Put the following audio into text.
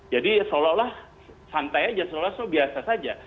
jadi seolah olah santai aja seolah olah biasa saja